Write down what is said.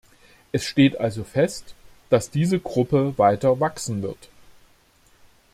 Es steht also fest, dass diese Gruppe weiter wachsen wird.